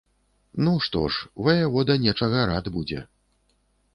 Ну, што ж, ваявода нечага рад будзе.